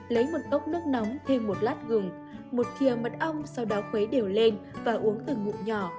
lấy một cốc nước nóng thêm một lát gừng một thịa mật ong sau đó khuấy đều lên và uống từ ngụm nhỏ